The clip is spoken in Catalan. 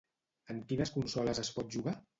En quines consoles es pot jugar?